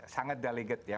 sangat delegate ya